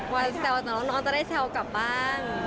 ว่าแซวจากน้องจะได้แซวกับบ้าง